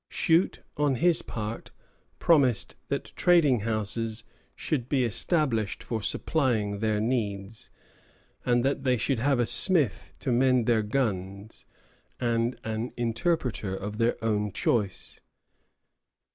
Shute, on his part, promised that trading houses should be established for supplying their needs, and that they should have a smith to mend their guns, and an interpreter of their own choice.